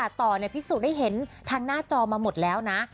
ต่อพิสูจน์ให้เห็นทางหน้าจอมาหมดแล้วนะ